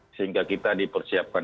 sehingga kita dipersiapkan